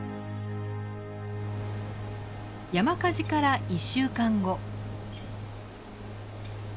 山火事から１週間後。